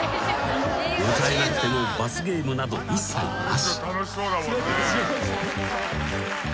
［歌えなくても罰ゲームなど一切なし］